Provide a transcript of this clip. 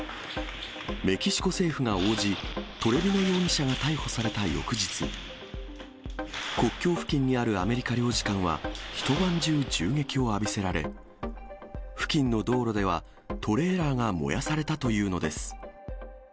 メキシコ政府が応じ、トレビノ容疑者が逮捕された翌日、国境付近にあるアメリカ領事館は、一晩中、銃撃を浴びせられ、付近の道路では、トレーラーが燃やされたというのです。